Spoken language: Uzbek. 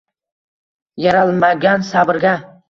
Yaralmagan sabrga.